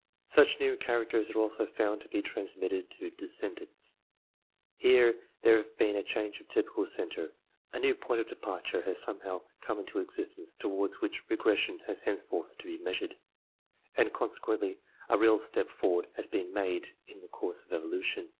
Such new characters are also found to be transmitted to descendants. Here there has been a change of typical centre, a new point of departure has somehow come into existence, towards which regression has henceforth to be measured, and consequently a real TO THE EDITION OF 1892 xix step forward has been made in the course of evolution.